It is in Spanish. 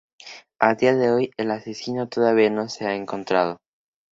A día de hoy, el asesino todavía no se ha encontrado.